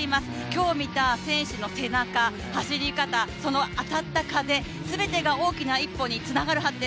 今日見た選手の背中、走り方、その当たった風、全てが大きな一歩につながるはずです。